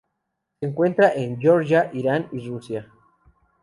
Se encuentra en Georgia, Irán y Rusia.